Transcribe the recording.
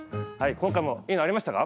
今回も、いいのありましたか？